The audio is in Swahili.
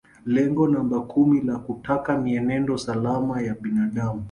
Lengo namba kumi la kutaka mienendo salama ya binadamu